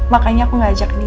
makanya aku gak ajak dia